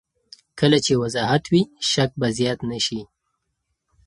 کله چې وضاحت وي، شک به زیات نه شي.